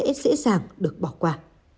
sẽ dễ dàng được bỏ qua